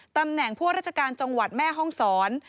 ตำแหน่งผู้ว่าราชการจังหวัดแม่ห้องศร